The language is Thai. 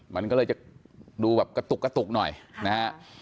มันก็เลยจะดูแบบกระตุกกระตุกหน่อยนะฮะ